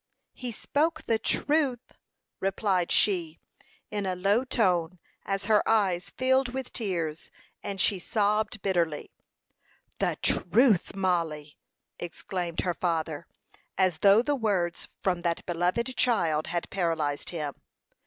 "He spoke the truth," replied she, in a low tone, as her eyes filled with tears, and she sobbed bitterly. "The truth, Mollie!" exclaimed her father, as though the words from that beloved child had paralyzed him.